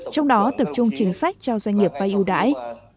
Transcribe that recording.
trong đó tự trung chính sách cho doanh nghiệp và yêu đại